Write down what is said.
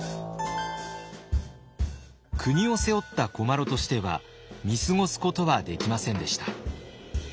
国を背負った古麻呂としては見過ごすことはできませんでした。